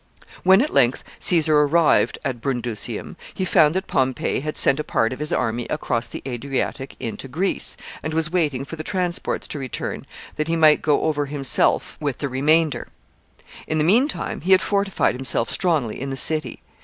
] When, at length, Caesar arrived at Brundusium, he found that Pompey had sent a part of his army across the Adriatic into Greece, and was waiting for the transports to return that he might go over himself with the remainder. In the mean time, he had fortified himself strongly in the city.